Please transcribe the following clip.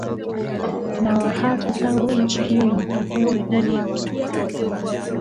na wa haki tangu nchi hiyo ijipatie uhuru wake